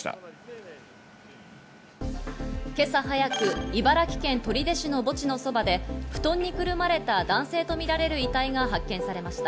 今朝早く、茨城県取手市の墓地のそばで布団にくるまれた男性とみられる遺体が発見されました。